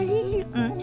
うん。